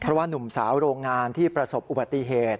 เพราะว่านุ่มสาวโรงงานที่ประสบอุบัติเหตุ